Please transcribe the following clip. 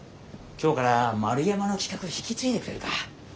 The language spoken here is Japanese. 今日から丸山の企画引き継いでくれるか。